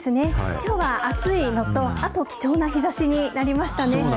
きょうは暑いのと、あと貴重な日ざしになりましたね。